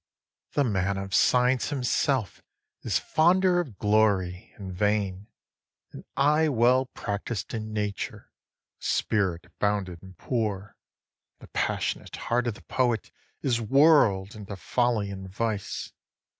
7. The man of science himself is fonder of glory, and vain, An eye well practised in nature, a spirit bounded and poor; The passionate heart of the poet is whirl'd into folly and vice.